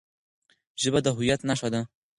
ژبه د هويت نښه ده.